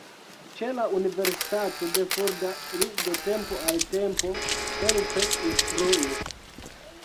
Ĉe la universitato de Fulda li de tempo al tempo helpe instruis.